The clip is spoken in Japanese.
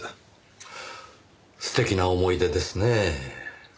素敵な思い出ですねぇ。